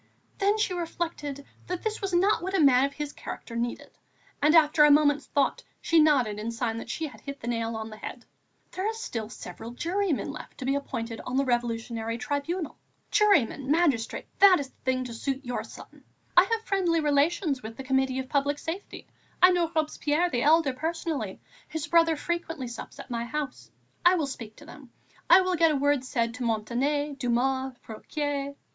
Then she reflected that this was not what a man of his character needed; and, after a moment's thought, she nodded in sign that she had hit the nail on the head: "There are still several jurymen left to be appointed on the Revolutionary Tribunal. Juryman, magistrate, that is the thing to suit your son. I have friendly relations with the Committee of Public Safety. I know Robespierre the elder personally; his brother frequently sups at my house. I will speak to them. I will get a word said to Montané, Dumas, Fouquier."